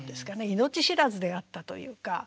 命知らずであったというか。